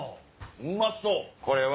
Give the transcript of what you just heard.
うまそう。